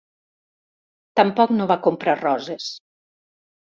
Tampoc no va comprar roses.